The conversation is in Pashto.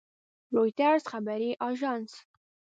رویټرز خبري اژانس